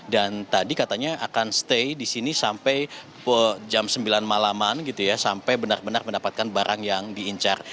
dan tadi katanya akan stay di sini sampai jam sembilan malaman gitu ya sampai benar benar mendapatkan barang yang diincar